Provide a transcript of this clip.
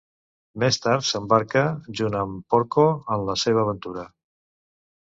Més tard, s'embarca junt amb Porco en la seva aventura.